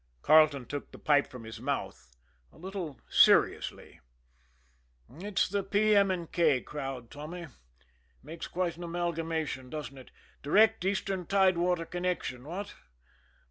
Carleton took the pipe from his mouth a little seriously. "It's the P. M. & K. crowd, Tommy. Makes quite an amalgamation, doesn't it direct eastern tidewater connection what?